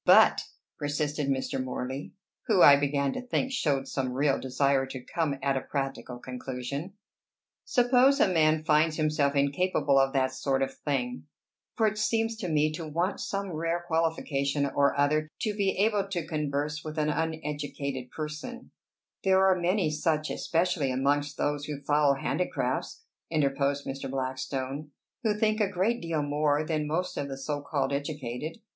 "But," persisted Mr. Morley, who, I began to think, showed some real desire to come at a practical conclusion, "suppose a man finds himself incapable of that sort of thing for it seems to me to want some rare qualification or other to be able to converse with an uneducated person" "There are many such, especially amongst those who follow handicrafts," interposed Mr. Blackstone, "who think a great deal more than most of the so called educated.